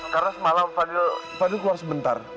karena semalam fadil keluar sebentar